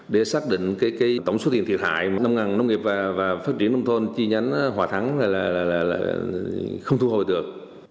để xác định tổng số tiền thiệt hại mà ngành nông nghiệp và phát triển nông thôn chi nhánh hòa thắng là không thu hồi được